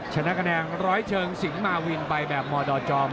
ชนะคะแนนร้อยเชิงสิงหมาวินไปแบบมดจอม